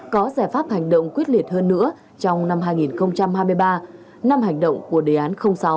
có giải pháp hành động quyết liệt hơn nữa trong năm hai nghìn hai mươi ba năm hành động của đề án sáu